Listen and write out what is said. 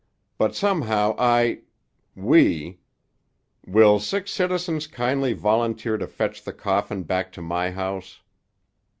But somehow I—we—Will six citizens kindly volunteer to fetch the coffin back to my house?"